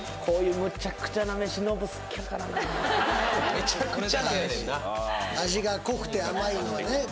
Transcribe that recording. こういう・めちゃくちゃな飯な味が濃くて甘いのね